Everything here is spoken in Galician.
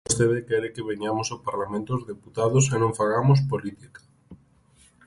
E vostede quere que veñamos ao Parlamento os deputados e non fagamos política.